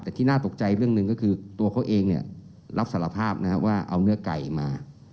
แต่ที่น่าตกใจเรื่องหนึ่งก็คือตัวเขาเองรับสารภาพว่าเอาเนื้อไก่มา